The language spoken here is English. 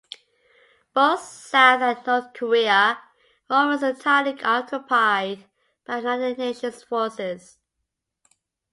Both South and North Korea were almost entirely occupied by United Nations forces.